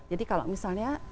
jadi kalau misalnya